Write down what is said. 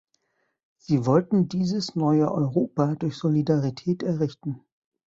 Sie wollten dieses neue Europa durch Solidarität errichten.